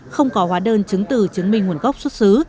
không có hóa đơn chứng từ chứng minh nguồn gốc xuất xứ